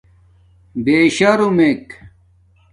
بیشمارک